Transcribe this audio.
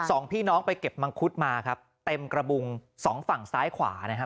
สองพี่น้องไปเก็บมังคุดมาครับเต็มกระบุงสองฝั่งซ้ายขวานะครับ